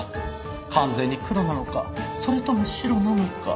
完全に黒なのかそれとも白なのか。